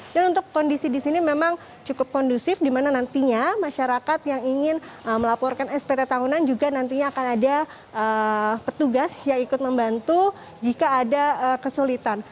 dan untuk kondisi di sini memang cukup kondusif dimana nantinya masyarakat yang ingin melaporkan spt tahunan juga nantinya akan ada petugas yang ikut membantu jika ada kesulitan